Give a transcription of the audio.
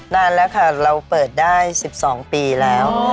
นานแล้วค่ะเราเปิดได้๑๒ปีแล้ว